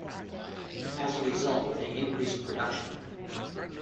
As a result, they increase production.